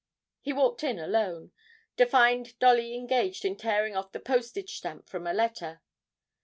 He walked in alone, to find Dolly engaged in tearing off the postage stamp from a letter.